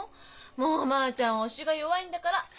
もうまあちゃん押しが弱いんだから。